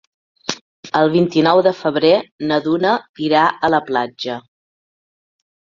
El vint-i-nou de febrer na Duna irà a la platja.